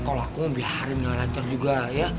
kalo aku mau biarin gak lancar juga ya